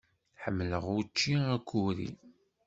Ḥemmleɣ učči akuri.